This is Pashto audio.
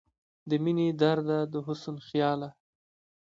د مينې درده، د حسن خياله